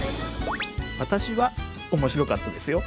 私は面白かったですよ。